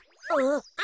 あっ。